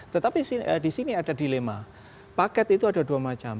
tetapi di sini ada dilema paket itu ada dua macam